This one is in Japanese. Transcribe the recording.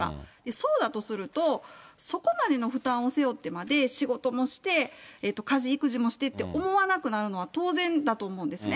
そうだとすると、そこまでの負担を背負ってまで、仕事もして、家事、育児もしてって思わなくなるのは当然だと思うんですね。